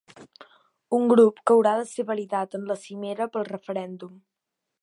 Un grup que haurà de ser validat en la cimera pel referèndum.